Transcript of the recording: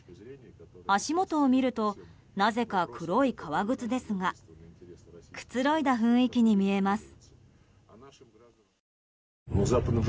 足元を見るとなぜか黒い革靴ですがくつろいだ雰囲気に見えます。